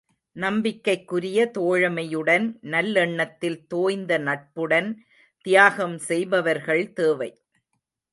நம்பிக்கைக்குரிய தோழமையுடன் நல்லெண்ணத்தில் தோய்ந்த நட்புடன் தியாகம் செய்பவர்கள் தேவை!